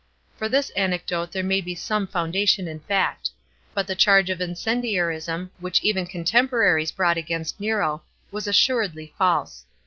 For this anecdo e there may U some foundation in fact. But the charge of incendiarism, which even contemporaries brought against Nero, was assuredly false.